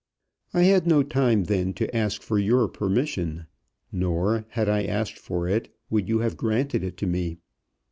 I had no time then to ask for your permission; nor, had I asked for it, would you have granted it to me.